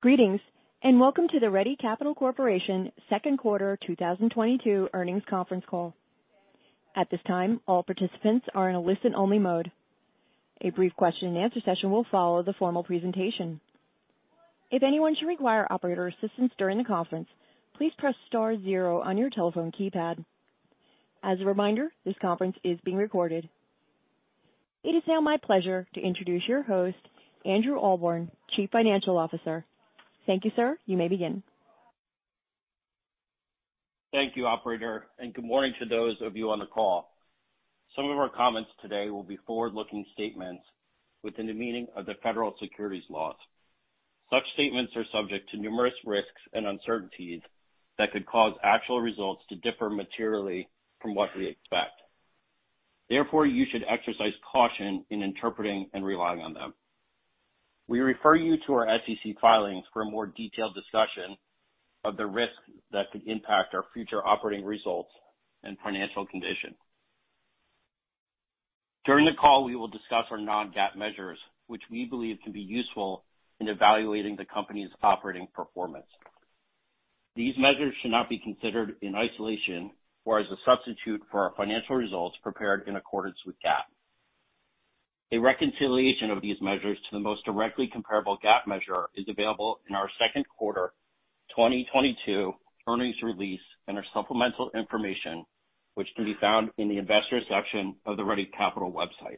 Greetings, and welcome to the Ready Capital Corporation second quarter 2022 earnings conference call. At this time, all participants are in a listen-only mode. A brief question and answer session will follow the formal presentation. If anyone should require operator assistance during the conference, please press star zero on your telephone keypad. As a reminder, this conference is being recorded. It is now my pleasure to introduce your host, Andrew Ahlborn, Chief Financial Officer. Thank you, sir. You may begin. Thank you, operator, and good morning to those of you on the call. Some of our comments today will be forward-looking statements within the meaning of the Federal Securities laws. Such statements are subject to numerous risks and uncertainties that could cause actual results to differ materially from what we expect. Therefore, you should exercise caution in interpreting and relying on them. We refer you to our SEC filings for a more detailed discussion of the risks that could impact our future operating results and financial condition. During the call, we will discuss our non-GAAP measures, which we believe can be useful in evaluating the company's operating performance. These measures should not be considered in isolation or as a substitute for our financial results prepared in accordance with GAAP. A reconciliation of these measures to the most directly comparable GAAP measure is available in our second quarter 2022 earnings release and our supplemental information, which can be found in the Investors section of the Ready Capital website.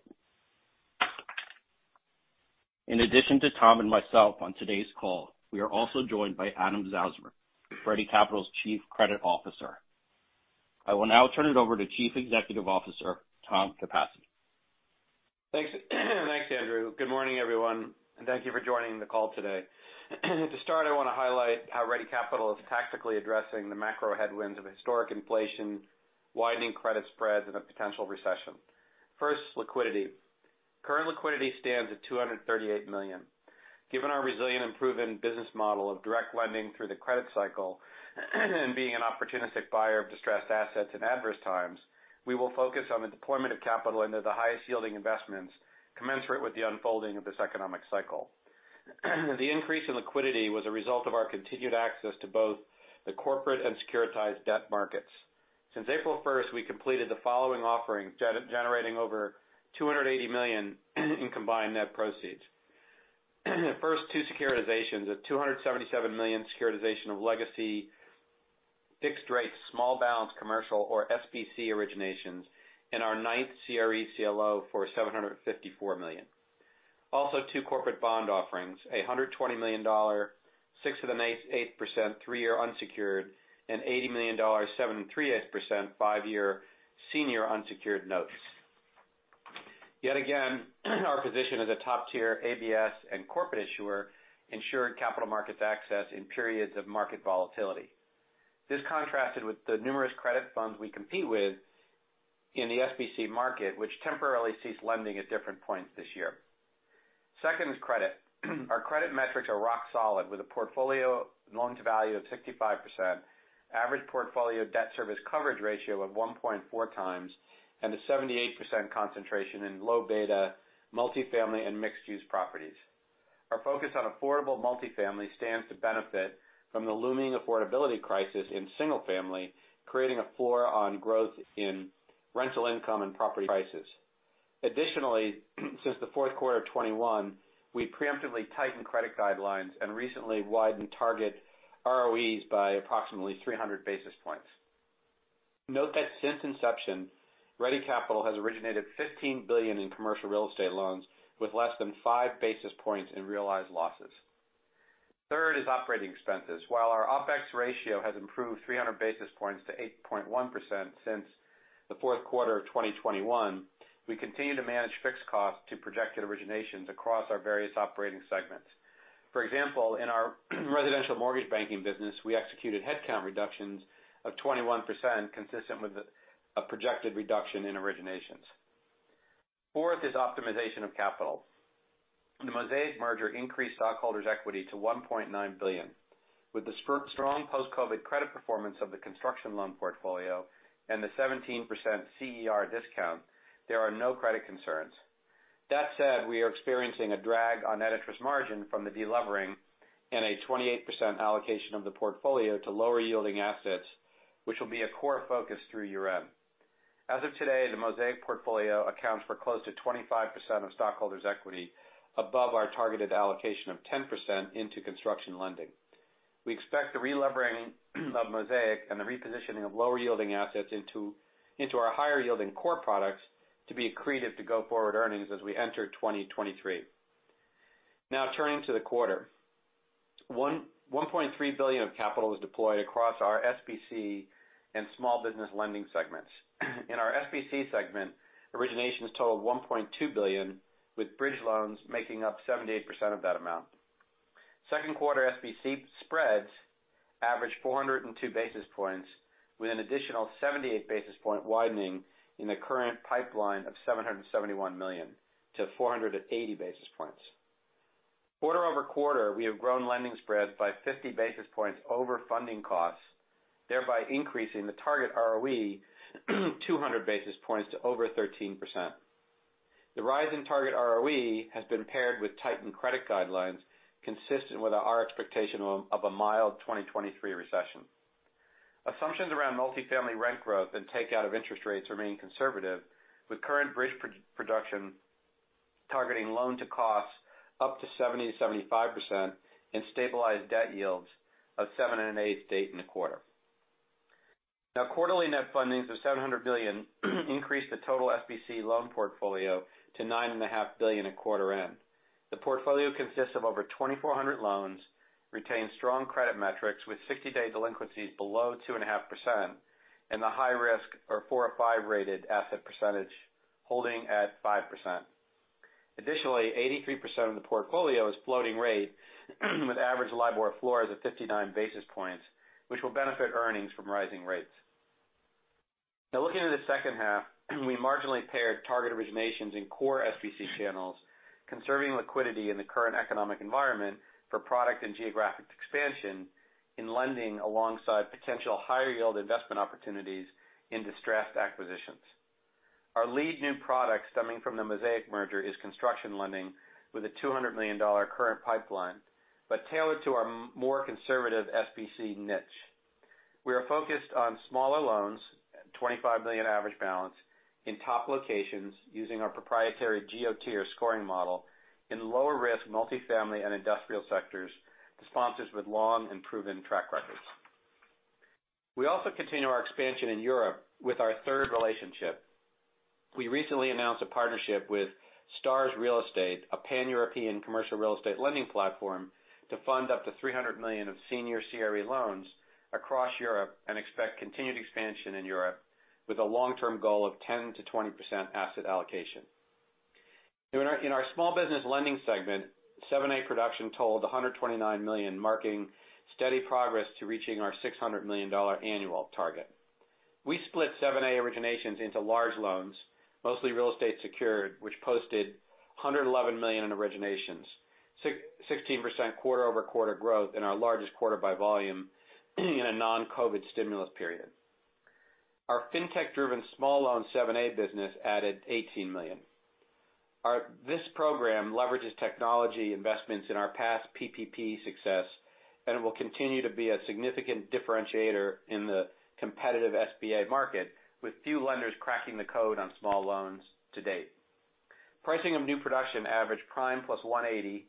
In addition to Tom and myself on today's call, we are also joined by Adam Zausmer, Ready Capital's Chief Credit Officer. I will now turn it over to Chief Executive Officer, Tom Capasse. Thanks. Thanks, Andrew. Good morning, everyone, and thank you for joining the call today. To start, I want to highlight how Ready Capital is tactically addressing the macro headwinds of historic inflation, widening credit spreads, and a potential recession. First, liquidity. Current liquidity stands at $238 million. Given our resilient and proven business model of direct lending through the credit cycle and being an opportunistic buyer of distressed assets in adverse times, we will focus on the deployment of capital into the highest-yielding investments commensurate with the unfolding of this economic cycle. The increase in liquidity was a result of our continued access to both the corporate and securitized debt markets. Since April 1st, we completed the following offerings, generating over $280 million in combined net proceeds. First, two securitizations, a $277 million securitization of legacy fixed-rate small balance commercial or SBC originations in our ninth CRE CLO for $754 million. Also, two corporate bond offerings, a $120 million 6.8% three-year unsecured and $80 million 7.38% five-year senior unsecured notes. Yet again, our position as a top-tier ABS and corporate issuer ensured capital markets access in periods of market volatility. This contrasted with the numerous credit funds we compete with in the SBC market, which temporarily ceased lending at different points this year. Second is credit. Our credit metrics are rock solid, with a portfolio loan-to-value of 65%, average portfolio debt service coverage ratio of 1.4x, and a 78% concentration in low beta multifamily and mixed-use properties. Our focus on affordable multifamily stands to benefit from the looming affordability crisis in single family, creating a floor on growth in rental income and property prices. Additionally, since the fourth quarter of 2021, we preemptively tightened credit guidelines and recently widened target ROEs by approximately 300 basis points. Note that since inception, Ready Capital has originated $15 billion in commercial real estate loans with less than 5 basis points in realized losses. Third is operating expenses. While our OpEx ratio has improved 300 basis points to 8.1% since the fourth quarter of 2021, we continue to manage fixed costs to projected originations across our various operating segments. For example, in our residential mortgage banking business, we executed headcount reductions of 21% consistent with a projected reduction in originations. Fourth is optimization of capital. The Mosaic merger increased stockholders' equity to $1.9 billion. With the strong post-COVID credit performance of the construction loan portfolio and the 17% CER discount, there are no credit concerns. That said, we are experiencing a drag on net interest margin from the de-levering and a 28% allocation of the portfolio to lower-yielding assets, which will be a core focus through year-end. As of today, the Mosaic portfolio accounts for close to 25% of stockholders' equity above our targeted allocation of 10% into construction lending. We expect the re-levering of Mosaic and the repositioning of lower-yielding assets into our higher-yielding core products to be accretive to go-forward earnings as we enter 2023. Now turning to the quarter. $1.3 billion of capital was deployed across our SBC and small business lending segments. In our SBC segment, originations totaled $1.2 billion, with bridge loans making up 78% of that amount. Second quarter SBC spreads averaged 402 basis points, with an additional 78 basis points widening in the current pipeline of $771 million to 480 basis points. Quarter-over-quarter, we have grown lending spreads by 50 basis points over funding costs, thereby increasing the target ROE 200 basis points to over 13%. The rise in target ROE has been paired with tightened credit guidelines consistent with our expectation of a mild 2023 recession. Assumptions around multifamily rent growth and take out of interest rates remain conservative, with current bridge production targeting loan to cost up to 70%-75% and stabilized debt yields of 7.18% stated in the quarter. Quarterly net fundings of $700 million increased the total SBA loan portfolio to $9.5 billion at quarter end. The portfolio consists of over 2,400 loans, retains strong credit metrics with 60-day delinquencies below 2.5%, and the high risk or 4 or 5 rated asset percentage holding at 5%. Additionally, 83% of the portfolio is floating rate with average LIBOR floor at 59 basis points, which will benefit earnings from rising rates. Looking at the second half, we marginally pared target originations in core SBA channels, conserving liquidity in the current economic environment for product and geographic expansion in lending alongside potential higher yield investment opportunities in distressed acquisitions. Our lead new product stemming from the Mosaic merger is construction lending with a $200 million current pipeline, but tailored to our more conservative SBA niche. We are focused on smaller loans, $25 million average balance in top locations using our proprietary GeoTier scoring model in lower risk multifamily and industrial sectors to sponsors with long and proven track records. We also continue our expansion in Europe with our third relationship. We recently announced a partnership with Starz Real Estate, a Pan-European commercial real estate lending platform, to fund up to $300 million of senior CRE loans across Europe and expect continued expansion in Europe with a long-term goal of 10%-20% asset allocation. In our small business lending segment, 7A production totaled $129 million, marking steady progress to reaching our $600 million annual target. We split 7A originations into large loans, mostly real estate secured, which posted $111 million in originations, 616% quarter-over-quarter growth in our largest quarter by volume in a non-COVID stimulus period. Our fintech-driven small loan 7A business added $18 million. This program leverages technology investments in our past PPP success, and it will continue to be a significant differentiator in the competitive SBA market, with few lenders cracking the code on small loans to date. Pricing of new production averaged prime plus 180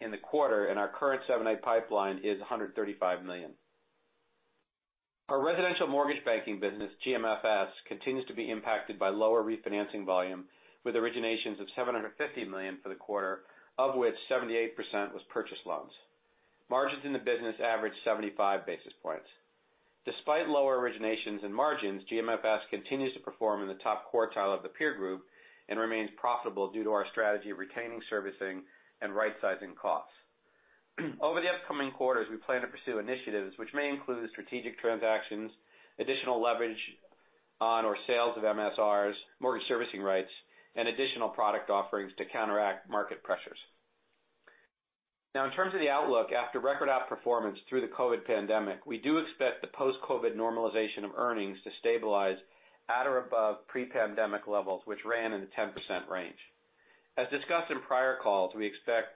in the quarter, and our current 7A pipeline is $135 million. Our residential mortgage banking business, GMFS, continues to be impacted by lower refinancing volume with originations of $750 million for the quarter, of which 78% was purchase loans. Margins in the business averaged 75 basis points. Despite lower originations and margins, GMFS continues to perform in the top quartile of the peer group and remains profitable due to our strategy of retaining servicing and rightsizing costs. Over the upcoming quarters, we plan to pursue initiatives which may include strategic transactions, additional leverage on or sales of MSRs, mortgage servicing rights, and additional product offerings to counteract market pressures. Now in terms of the outlook, after record outperformance through the COVID pandemic, we do expect the post-COVID normalization of earnings to stabilize at or above pre-pandemic levels, which ran in the 10% range. As discussed in prior calls, we expect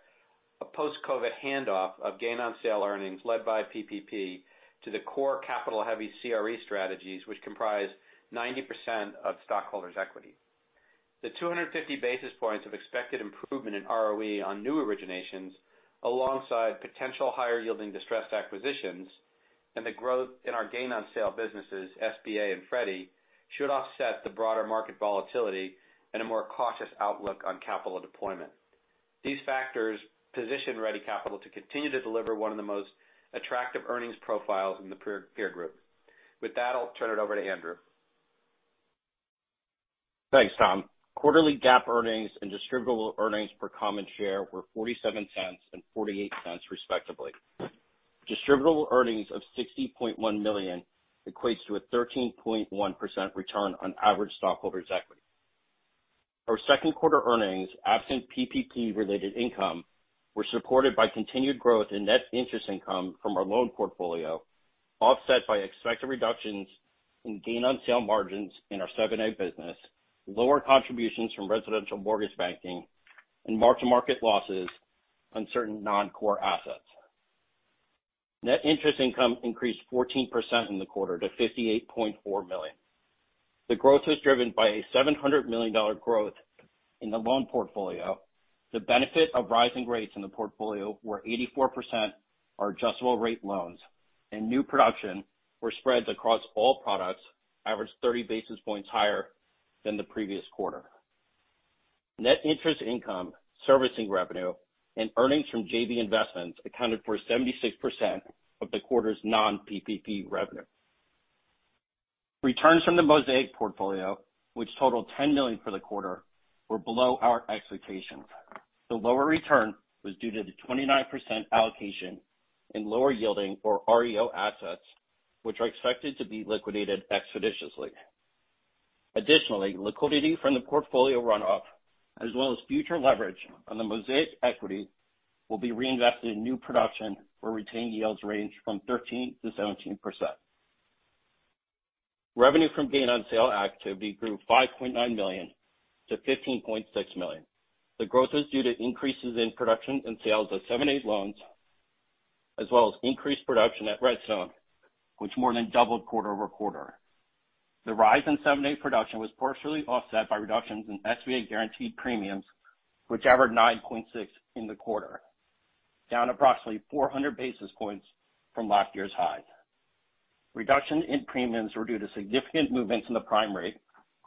a post-COVID handoff of gain on sale earnings led by PPP to the core capital-heavy CRE strategies, which comprise 90% of stockholders' equity. The 250 basis points of expected improvement in ROE on new originations alongside potential higher yielding distressed acquisitions and the growth in our gain on sale businesses, SBA and Freddie, should offset the broader market volatility and a more cautious outlook on capital deployment. These factors position Ready Capital to continue to deliver one of the most attractive earnings profiles in the peer group. With that, I'll turn it over to Andrew. Thanks, Tom. Quarterly GAAP earnings and distributable earnings per common share were $0.47 and $0.48, respectively. Distributable earnings of $60.1 million equates to a 13.1% return on average stockholders' equity. Our second quarter earnings, absent PPP related income, were supported by continued growth in net interest income from our loan portfolio, offset by expected reductions in gain on sale margins in our 7A business, lower contributions from residential mortgage banking and mark-to-market losses on certain non-core assets. Net interest income increased 14% in the quarter to $58.4 million. The growth was driven by a $700 million growth in the loan portfolio. The benefit of rising rates in the portfolio where 84% are adjustable rate loans, and new production where spreads across all products averaged 30 basis points higher than the previous quarter. Net interest income, servicing revenue, and earnings from JV investments accounted for 76% of the quarter's non-PPP revenue. Returns from the Mosaic portfolio, which totaled $10 million for the quarter, were below our expectations. The lower return was due to the 29% allocation in lower yielding or REO assets, which are expected to be liquidated expeditiously. Additionally, liquidity from the portfolio runoff, as well as future leverage on the Mosaic equity, will be reinvested in new production where retained yields range from 13%-17%. Revenue from gain on sale activity grew $5.9 million to $15.6 million. The growth is due to increases in production and sales of 7A loans as well as increased production at Red Stone, which more than doubled quarter-over-quarter. The rise in 7A production was partially offset by reductions in SBA guaranteed premiums, which averaged $9.6 in the quarter, down approximately 400 basis points from last year's high. Reduction in premiums were due to significant movements in the prime rate,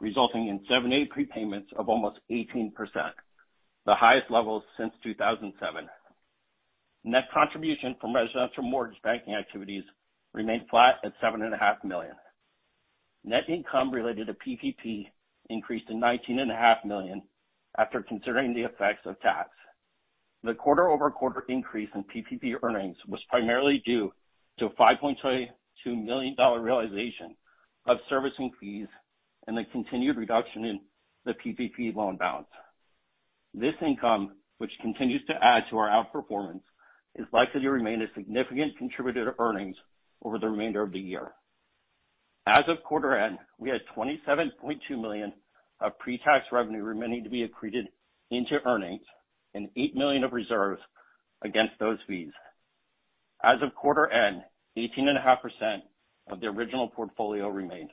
resulting in 7A prepayments of almost 18%, the highest level since 2007. Net contribution from residential mortgage banking activities remained flat at $7.5 million. Net income related to PPP increased to $19.5 million after considering the effects of tax. The quarter-over-quarter increase in PPP earnings was primarily due to a $5.22 million realization of servicing fees and a continued reduction in the PPP loan balance. This income, which continues to add to our outperformance, is likely to remain a significant contributor to earnings over the remainder of the year. As of quarter end, we had $27.2 million of pre-tax revenue remaining to be accreted into earnings and $8 million of reserves against those fees. As of quarter end, 18.5% of the original portfolio remained.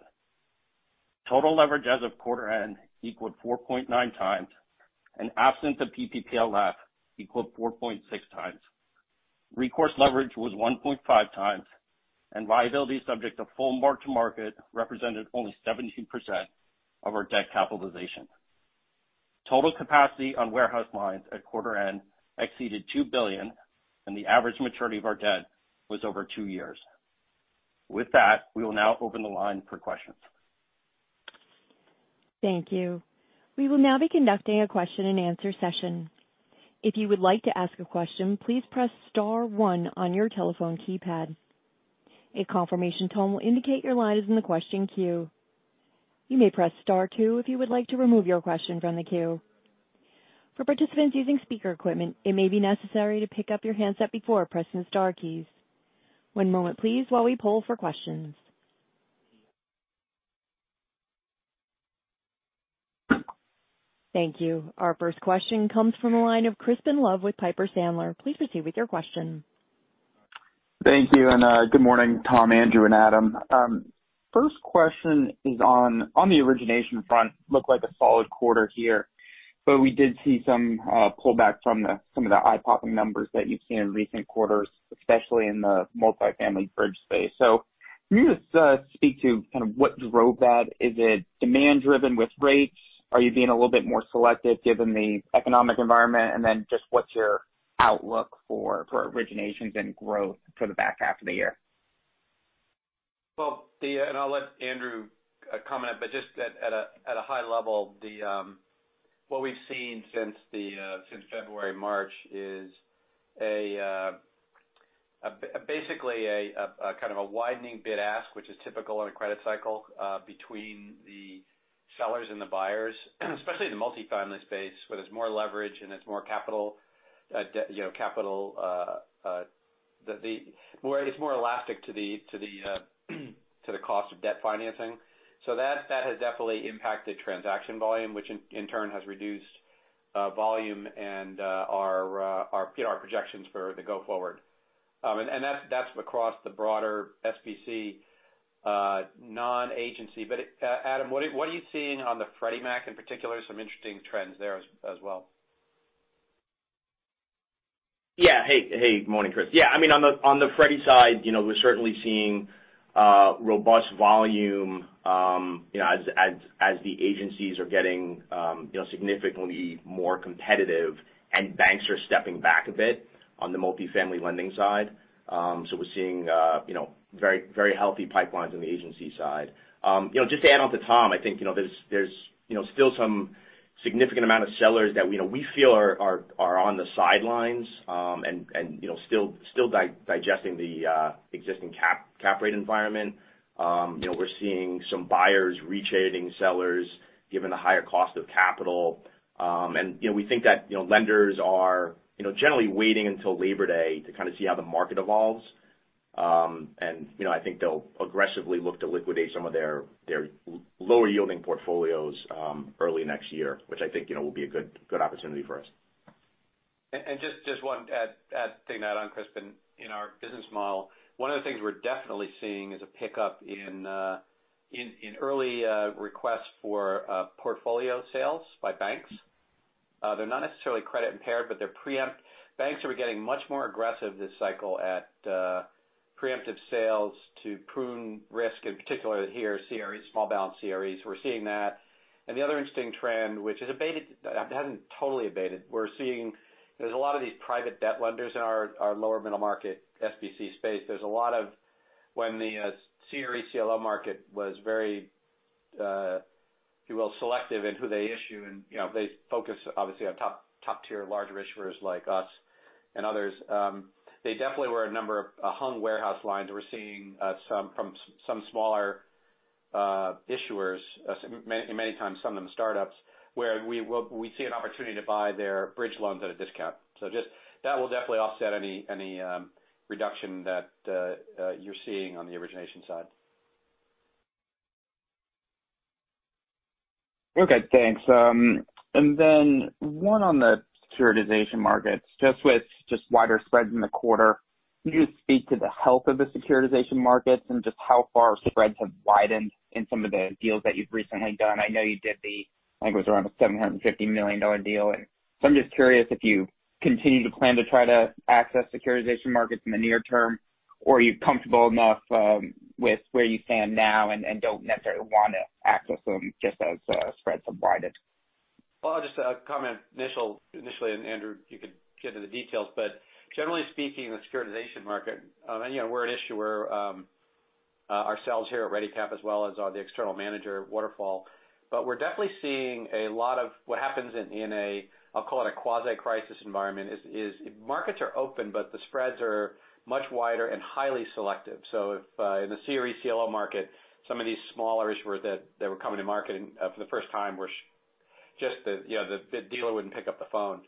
Total leverage as of quarter end equaled 4.9x, and absent the PPP LF equaled 4.6x. Recourse leverage was 1.5x, and liabilities subject to full mark-to-market represented only 17% of our debt capitalization. Total capacity on warehouse lines at quarter end exceeded $2 billion, and the average maturity of our debt was over two years. With that, we will now open the line for questions. Thank you. We will now be conducting a question-and-answer session. If you would like to ask a question, please press star one on your telephone keypad. A confirmation tone will indicate your line is in the question queue. You may press star two if you would like to remove your question from the queue. For participants using speaker equipment, it may be necessary to pick up your handset before pressing the star keys. One moment please, while we poll for questions. Thank you. Our first question comes from the line of Crispin Love with Piper Sandler. Please proceed with your question. Thank you, good morning, Tom, Andrew and Adam. First question is on the origination front. Looked like a solid quarter here, but we did see some pullback from some of the eye-popping numbers that you've seen in recent quarters, especially in the multifamily bridge space. Can you just speak to kind of what drove that? Is it demand driven with rates? Are you being a little bit more selective given the economic environment? What's your outlook for originations and growth for the back half of the year? I'll let Andrew comment, but just at a high level, what we've seen since February, March is basically a kind of a widening bid-ask, which is typical in a credit cycle, between the sellers and the buyers, especially in the multifamily space, where there's more leverage and it's more capital, you know, capital, where it's more elastic to the cost of debt financing. That has definitely impacted transaction volume, which in turn has reduced volume and our PR projections for the go forward. That's across the broader SBC non-agency. Adam, what are you seeing on the Freddie Mac in particular? Some interesting trends there as well. Yeah. Hey, hey. Morning, Chris. Yeah, I mean, on the Freddie side, you know, we're certainly seeing robust volume, you know, as the agencies are getting, you know, significantly more competitive and banks are stepping back a bit on the multifamily lending side. So we're seeing, you know, very, very healthy pipelines on the agency side. You know, just to add on to Tom, I think, you know, there's still some significant amount of sellers that we know, we feel are on the sidelines, and, you know, still digesting the existing cap rate environment. You know, we're seeing some buyers re-trading sellers given the higher cost of capital. You know, we think that, you know, lenders are, you know, generally waiting until Labor Day to kind of see how the market evolves. You know, I think they'll aggressively look to liquidate some of their lower yielding portfolios early next year, which I think, you know, will be a good opportunity for us. Just one add thing to that on Crispin. In our business model, one of the things we're definitely seeing is a pickup in early requests for portfolio sales by banks. They're not necessarily credit impaired, but they're preemptive. Banks are getting much more aggressive this cycle at preemptive sales to prune risk in particular here, CREs, small balance CREs. We're seeing that. The other interesting trend, which has abated, hasn't totally abated. We're seeing there's a lot of these private debt lenders in our lower middle market SBC space. There's a lot of when the CRE CLO market was very, if you will, selective in who they issue. You know, they focus obviously on top-tier larger issuers like us. Others. They definitely were a number of hung warehouse lines we're seeing, some from some smaller issuers, many times some of them startups, where we see an opportunity to buy their bridge loans at a discount. Just that will definitely offset any reduction that you're seeing on the origination side. Okay, thanks. And then one on the securitization markets. Just with wider spreads in the quarter. Can you just speak to the health of the securitization markets and just how far spreads have widened in some of the deals that you've recently done? I know you did the, I think it was around a $750 million deal. I'm just curious if you continue to plan to try to access securitization markets in the near term or are you comfortable enough with where you stand now and don't necessarily wanna access them just as spreads have widened? Well, I'll just comment initially, and Andrew, you could get into the details. Generally speaking, the securitization market, and you know, we're an issuer ourselves here at ReadyCap, as well as on the external manager Waterfall. We're definitely seeing a lot of what happens in a quasi crisis environment. Markets are open, but the spreads are much wider and highly selective. If in the CRECLO market, some of these smaller issuers that they were coming to market and for the first time were just the dealer wouldn't pick up the phone.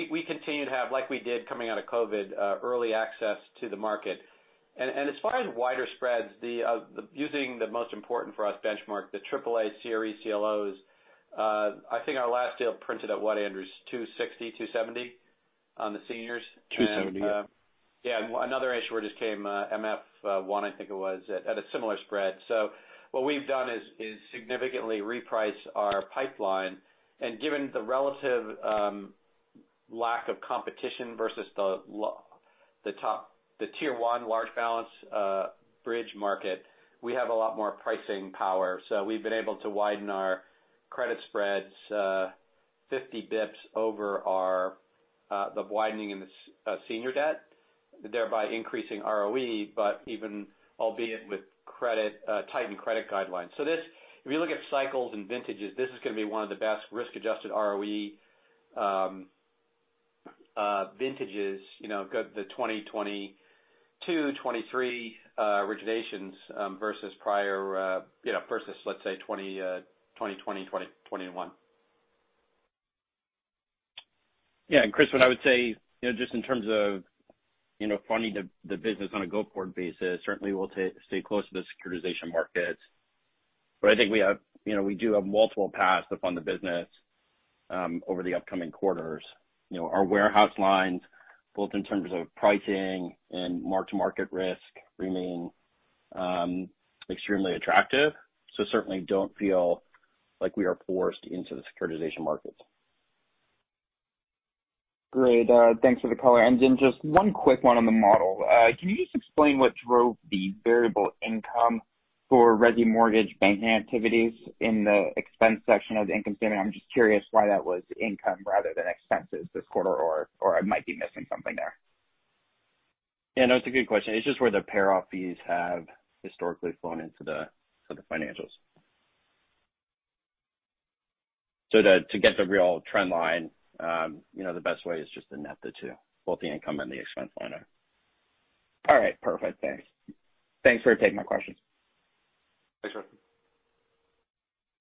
We continue to have, like we did coming out of COVID, early access to the market. As far as wider spreads, using the most important for us benchmark, the triple A CRECLOs, I think our last deal printed at what Andrew, 260-270 on the seniors? 270. Yeah. Another issuer just came, MF1, one, I think it was at a similar spread. What we've done is significantly reprice our pipeline. Given the relative lack of competition versus the top tier one large balance bridge market, we have a lot more pricing power. We've been able to widen our credit spreads 50 basis points over the widening in the senior debt, thereby increasing ROE, but even albeit with tightened credit guidelines. This, if you look at cycles and vintages, is gonna be one of the best risk-adjusted ROE vintages, you know, the 2022, 2023 originations versus prior, you know, versus let's say 2020, 2021. Yeah. Chris, what I would say, you know, just in terms of, you know, funding the business on a go forward basis, certainly we'll stay close to the securitization markets. I think we have, you know, we do have multiple paths to fund the business over the upcoming quarters. You know, our warehouse lines, both in terms of pricing and mark-to-market risk remain extremely attractive. Certainly don't feel like we are forced into the securitization markets. Great. Thanks for the color. Just one quick one on the model. Can you just explain what drove the variable income for resi mortgage banking activities in the expense section of the income statement? I'm just curious why that was income rather than expenses this quarter or I might be missing something there? Yeah, no, it's a good question. It's just where the payoff fees have historically flowed into the financials. To get the real trend line, you know, the best way is just to net the two, both the income and the expense line item. All right. Perfect. Thanks. Thanks for taking my questions. Thanks, Crispin Love.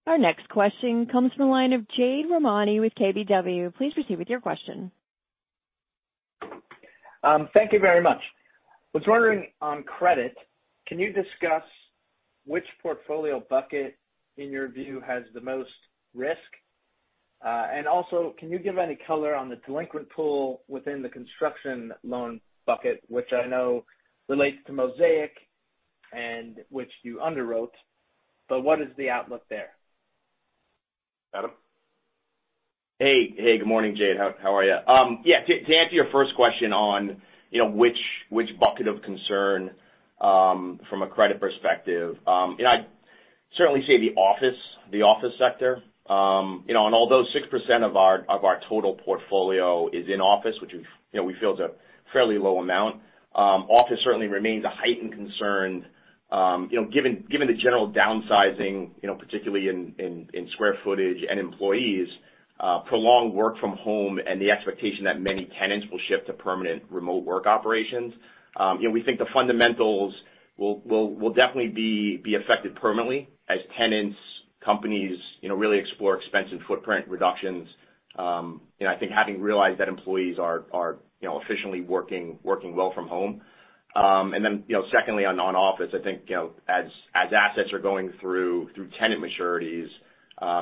Our next question comes from the line of Jade Rahmani with KBW. Please proceed with your question. Thank you very much. Was wondering on credit, can you discuss which portfolio bucket in your view has the most risk? Also can you give any color on the delinquent pool within the construction loan bucket, which I know relates to Mosaic and which you underwrote, but what is the outlook there? Adam? Hey. Hey, good morning, Jade. How are you? Yeah, to answer your first question on, you know, which bucket of concern, from a credit perspective, you know, I'd certainly say the office sector. Although 6% of our total portfolio is in office, which we feel is a fairly low amount, office certainly remains a heightened concern. Given the general downsizing, you know, particularly in square footage and employees, prolonged work from home and the expectation that many tenants will shift to permanent remote work operations, you know, we think the fundamentals will definitely be affected permanently as tenants, companies, you know, really explore expansive footprint reductions. You know, I think having realized that employees are efficiently working well from home. You know, secondly on office, I think you know as assets are going through tenant maturities,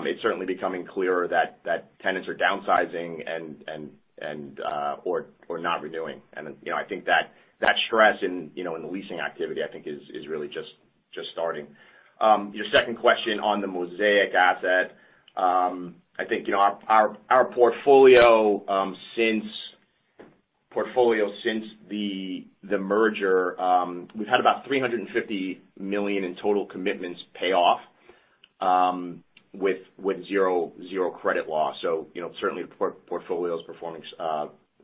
it's certainly becoming clearer that tenants are downsizing and or not renewing. You know, I think that stress in you know in the leasing activity I think is really just starting. Your second question on the Mosaic asset. I think you know our portfolio since the merger, we've had about $350 million in total commitments pay off, with zero credit loss. You know, certainly the portfolio is performing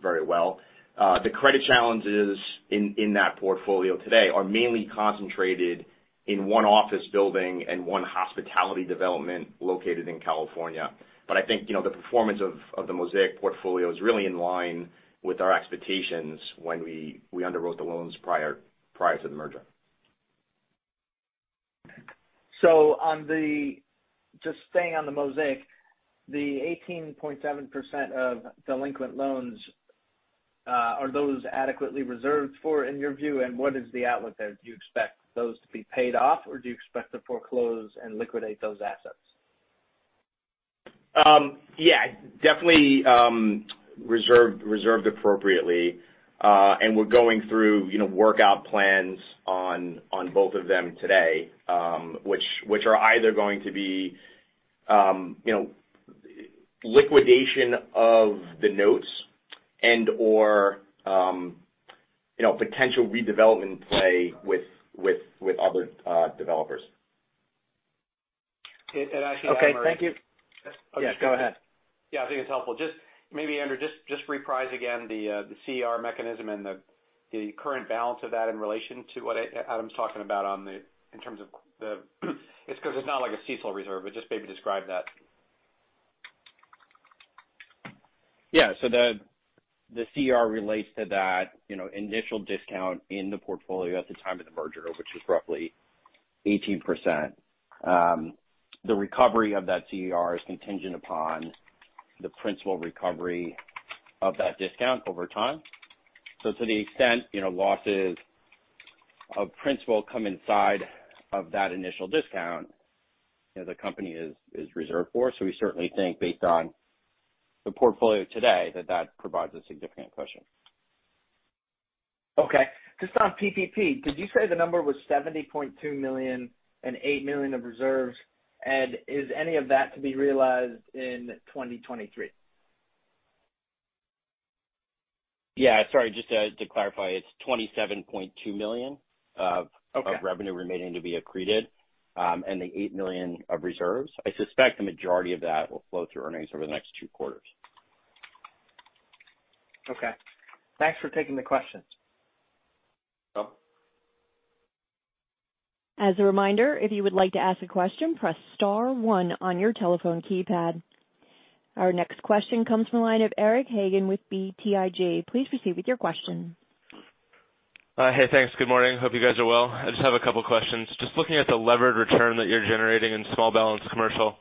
very well. The credit challenges in that portfolio today are mainly concentrated. In one office building and one hospitality development located in California. I think, you know, the performance of the Mosaic portfolio is really in line with our expectations when we underwrote the loans prior to the merger. Just staying on the Mosaic, the 18.7% of delinquent loans are those adequately reserved for in your view? What is the outlook there? Do you expect those to be paid off, or do you expect to foreclose and liquidate those assets? Yeah. Definitely reserved appropriately. We're going through, you know, workout plans on both of them today, which are either going to be, you know, liquidation of the notes and/or, you know, potential redevelopment play with other developers. Actually, Adam, Okay. Thank you. Yes. Yeah, go ahead. Yeah, I think it's helpful. Just maybe, Andrew, reprise again the CER mechanism and the current balance of that in relation to what Adam's talking about on the, in terms of the. It's 'cause it's not like a CECL reserve, but just maybe describe that? Yeah. The CER relates to that, you know, initial discount in the portfolio at the time of the merger, which was roughly 18%. The recovery of that CER is contingent upon the principal recovery of that discount over time. To the extent, you know, losses of principal come inside of that initial discount the company is reserved for. We certainly think based on the portfolio today that that provides a significant cushion. Okay. Just on PPP, did you say the number was $70.2 million and $8 million of reserves? Is any of that to be realized in 2023? Yeah. Sorry. Just to clarify, it's $27.2 million of- Okay.... Of revenue remaining to be accreted, and the $8 million of reserves. I suspect the majority of that will flow through earnings over the next two quarters. Okay. Thanks for taking the question. No. As a reminder, if you would like to ask a question, press star one on your telephone keypad. Our next question comes from the line of Eric Hagen with BTIG. Please proceed with your question. Hey, thanks. Good morning. Hope you guys are well. I just have a couple questions. Just looking at the levered return that you're generating in small balance commercial,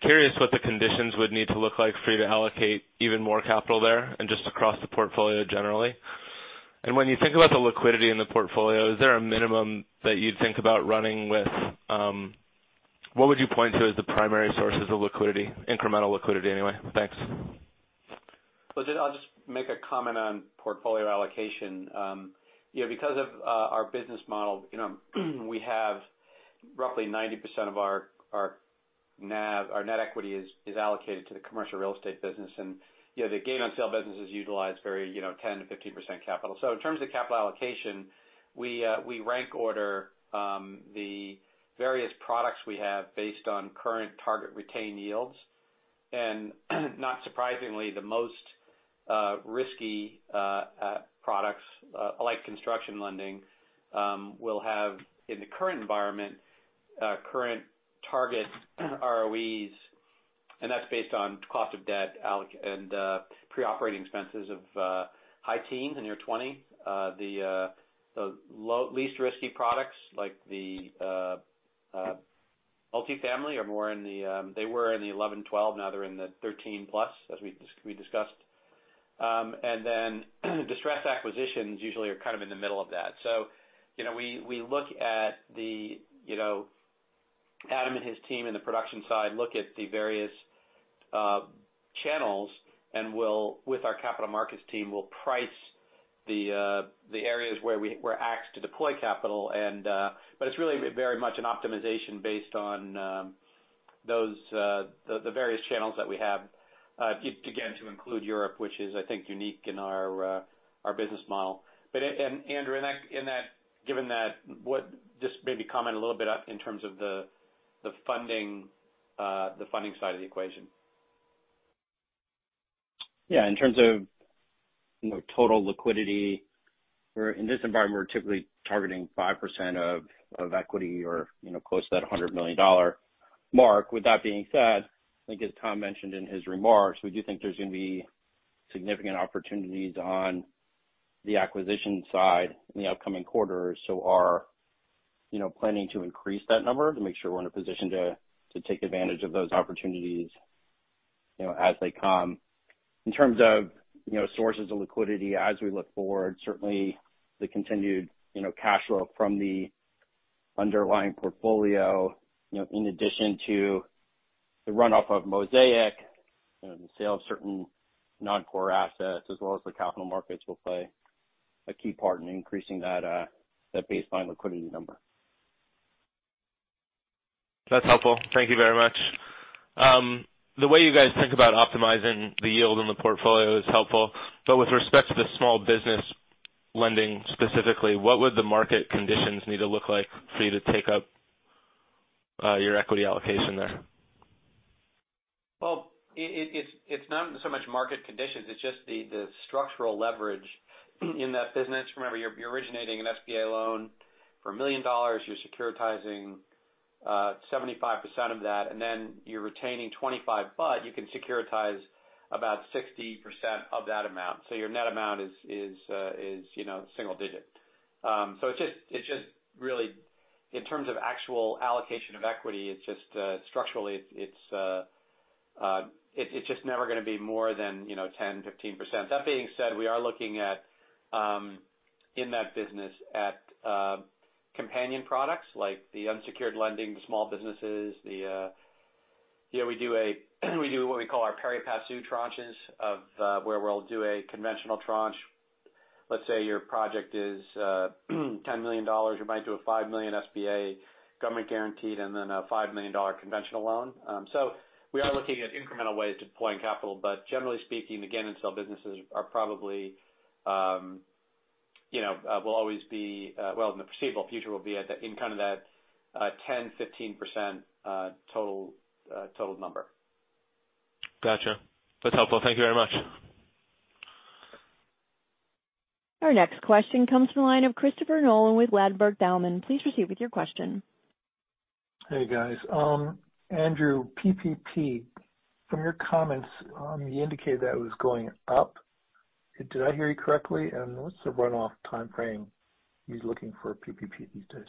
curious what the conditions would need to look like for you to allocate even more capital there and just across the portfolio generally? When you think about the liquidity in the portfolio, is there a minimum that you'd think about running with? What would you point to as the primary sources of liquidity, incremental liquidity anyway? Thanks. Well, I'll just make a comment on portfolio allocation. You know, because of our business model, you know, we have roughly 90% of our NAV, our net equity is allocated to the commercial real estate business. You know, the gain on sale business is utilized very, you know, 10%-15% capital. In terms of capital allocation, we rank order the various products we have based on current target retained yields. Not surprisingly, the most risky products like construction lending will have, in the current environment, current target ROEs, and that's based on cost of debt allocation and pre-operating expenses of high teens and near 20%. The least risky products like the multifamily—they were in the 11%-12%, now they're in the 13%+, as we discussed. Distressed acquisitions usually are kind of in the middle of that. You know, we look at the, you know, Adam and his team in the production side look at the various channels and we will, with our capital markets team, price the areas where we're asked to deploy capital and, but it's really very much an optimization based on those, the various channels that we have, again, to include Europe, which is I think unique in our business model. Andrew, in that, given that, just maybe comment a little bit in terms of the funding side of the equation. Yeah. In terms of, you know, total liquidity, we're in this environment, we're typically targeting 5% of equity or, you know, close to that $100 million mark. With that being said, I think as Tom mentioned in his remarks, we do think there's gonna be significant opportunities on the acquisition side in the upcoming quarters. We're, you know, planning to increase that number to make sure we're in a position to take advantage of those opportunities, you know, as they come. In terms of, you know, sources of liquidity as we look forward, certainly the continued, you know, cash flow from the underlying portfolio, you know, in addition to the runoff of Mosaic, you know, the sale of certain non-core assets as well as the capital markets will play a key part in increasing that baseline liquidity number. That's helpful. Thank you very much. The way you guys think about optimizing the yield in the portfolio is helpful, but with respect to the small business lending specifically, what would the market conditions need to look like for you to take up your equity allocation there? It's not so much market conditions, it's just the structural leverage in that business. Remember, you're originating an SBA loan for $1 million. You're securitizing 75% of that, and then you're retaining 25%, but you can securitize about 60% of that amount. So your net amount is, you know, single digit. It's just really in terms of actual allocation of equity, it's just structurally. It's just never gonna be more than, you know, 10%, 15%. That being said, we are looking at in that business at companion products like the unsecured lending to small businesses. You know, we do what we call our pari passu tranches of where we'll do a conventional tranche. Let's say your project is $10 million. You might do a $5 million SBA government guaranteed and then a $5 million conventional loan. We are looking at incremental ways to deploy capital, generally speaking, again, in small businesses are probably, you know, will always be, well, in the foreseeable future will be in kind of that 10%-15% total number. Gotcha. That's helpful. Thank you very much. Our next question comes from the line of Christopher Nolan with Ladenburg Thalmann. Please proceed with your question. Hey, guys. Andrew, PPP, from your comments, you indicated that was going up. Did I hear you correctly? What's the runoff timeframe you're looking for PPP these days?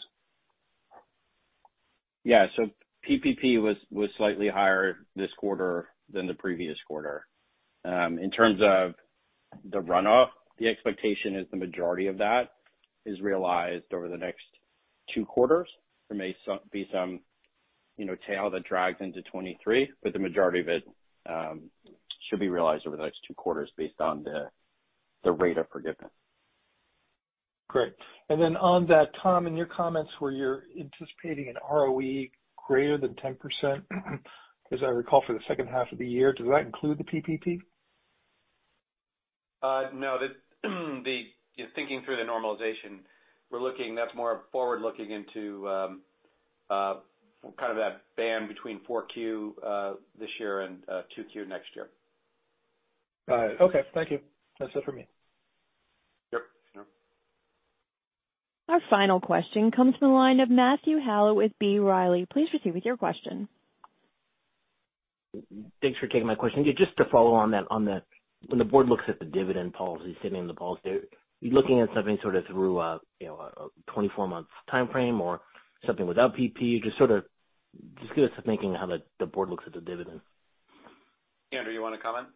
PPP was slightly higher this quarter than the previous quarter. In terms of the runoff, the expectation is the majority of that is realized over the next two quarters. There may be some, you know, tail that drags into 2023, but the majority of it should be realized over the next two quarters based on the rate of forgiveness. Great. Then on that, Tom, in your comments where you're anticipating an ROE greater than 10% as I recall for the second half of the year, does that include the PPP? No. The thinking through the normalization we're looking that's more forward looking into kind of that band between 4Q this year and 2Q next year. All right. Okay. Thank you. That's it for me. Yep. Yep. Our final question comes from the line of Matthew Howlett with B. Riley. Please proceed with your question. Thanks for taking my question. Just to follow on that, when the board looks at the dividend policy, setting the policy, you're looking at something sort of through a, you know, a 24-month timeframe or something without PP. Just sort of give us some thinking how the board looks at the dividend? Andrew, you want to comment?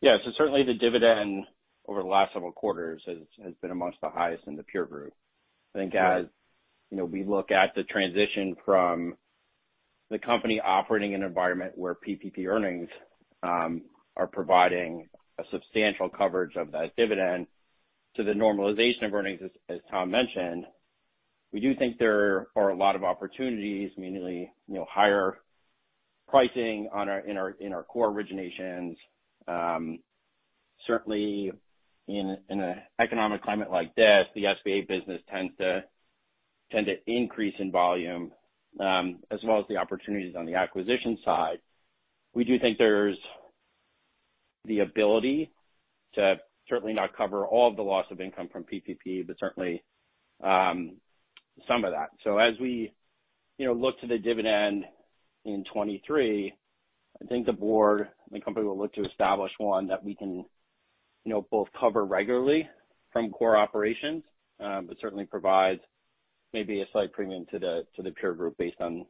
Yeah. Certainly the dividend over the last several quarters has been among the highest in the peer group. I think as you know, we look at the transition from the company operating in an environment where PPP earnings are providing a substantial coverage of that dividend to the normalization of earnings, as Tom mentioned, we do think there are a lot of opportunities, meaning you know, higher pricing in our core originations. Certainly in an economic climate like this, the SBA business tends to increase in volume, as well as the opportunities on the acquisition side. We do think there's the ability to certainly not cover all the loss of income from PPP, but certainly some of that. As we, you know, look to the dividend in 2023, I think the board and the company will look to establish one that we can, you know, both cover regularly from core operations, but certainly provide maybe a slight premium to the peer group based on,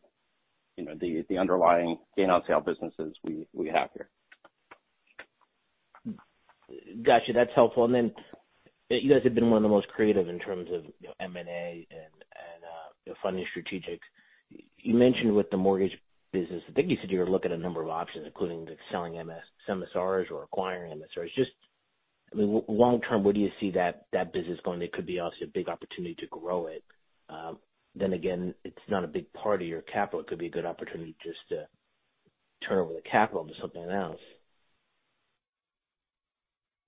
you know, the underlying gain on sale businesses we have here. Got you. That's helpful. You guys have been one of the most creative in terms of, you know, M&A and, you know, funding strategies. You mentioned with the mortgage business, I think you said you're looking at a number of options, including selling some MSRs or acquiring MSRs. Just, I mean, long term, where do you see that business going? There could be also a big opportunity to grow it. Then again, it's not a big part of your capital. It could be a good opportunity just to turn over the capital into something else. Yeah,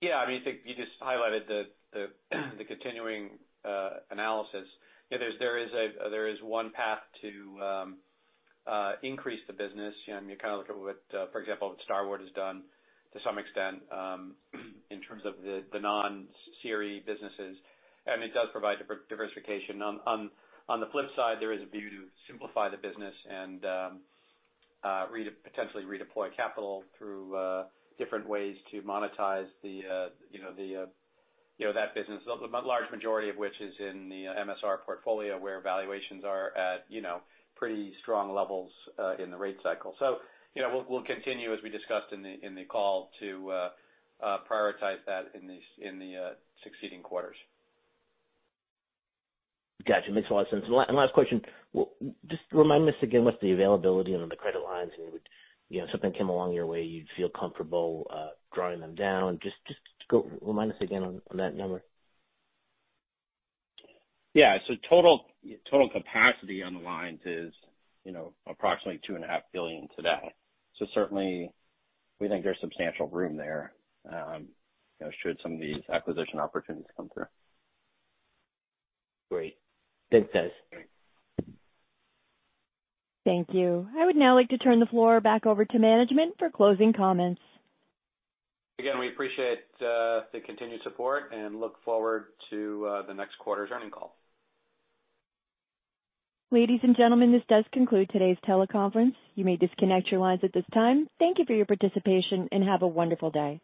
I mean, you just highlighted the continuing analysis. Yeah, there is one path to increase the business. You know, you kind of look at what, for example, what Starwood has done to some extent in terms of the non-QM businesses. I mean, it does provide diversification. On the flip side, there is a view to simplify the business and potentially redeploy capital through different ways to monetize, you know, that business, the large majority of which is in the MSR portfolio, where valuations are at, you know, pretty strong levels in the rate cycle. You know, we'll continue, as we discussed in the call, to prioritize that in the succeeding quarters. Got you. Makes a lot of sense. Last question. Just remind us again, what's the availability on the credit lines and would, you know, something came along your way, you'd feel comfortable drawing them down. Just go remind us again on that number? Yeah. Total capacity on the lines is, you know, approximately $2.5 billion today. Certainly we think there's substantial room there, you know, should some of these acquisition opportunities come through. Great. Thanks, guys. Thank you. I would now like to turn the floor back over to management for closing comments. Again, we appreciate the continued support and look forward to the next quarter's earnings call. Ladies and gentlemen, this does conclude today's teleconference. You may disconnect your lines at this time. Thank you for your participation, and have a wonderful day.